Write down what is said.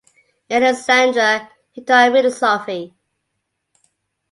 In Alexandria he taught philosophy.